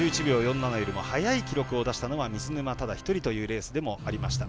５１秒４７よりも速い記録を出したのは水沼ただ一人というレースでもありました。